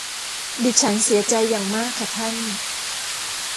ดิฉันเสียใจอย่างมากค่ะท่าน